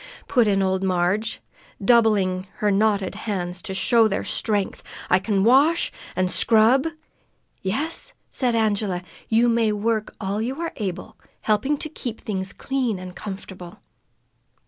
put in old Marg, doubling her knotted hands to show their strength. "I can wash, an' scrub " "Yes," said Angela, "you may work all you are able, helping to keep things clean and comfortable."